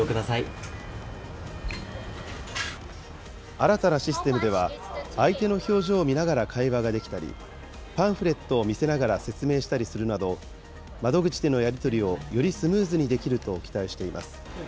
新たなシステムでは、相手の表情を見ながら会話ができたり、パンフレットを見せながら説明したりするなど、窓口でのやり取りをよりスムーズにできると期待しています。